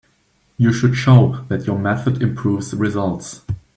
You should show that your method improves results.